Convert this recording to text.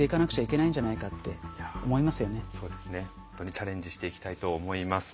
チャレンジしていきたいと思います。